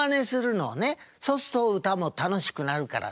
そうすると歌も楽しくなるから」。